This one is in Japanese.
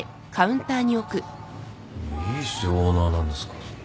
いいっすよオーナーなんですから。